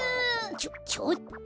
ちょちょっと。